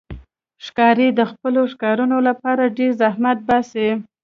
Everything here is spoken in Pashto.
ښکاري د خپلو ښکارونو لپاره ډېر زحمت باسي.